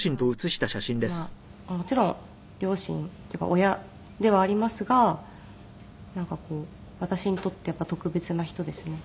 まあもちろん両親っていうか親ではありますがなんかこう私にとって特別な人ですね。